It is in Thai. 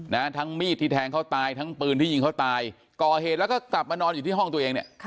ทั้งมีดที่แทงเขาตายทั้งปืนที่ยิงเขาตายก่อเหตุแล้วก็กลับมานอนอยู่ที่ห้องตัวเองเนี่ยค่ะ